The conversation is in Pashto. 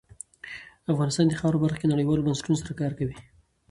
افغانستان د خاوره په برخه کې نړیوالو بنسټونو سره کار کوي.